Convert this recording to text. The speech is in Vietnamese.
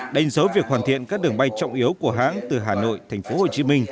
đánh dấu việc hoàn thiện các đường bay trọng yếu của hãng từ hà nội tp hcm